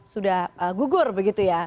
sudah gugur begitu ya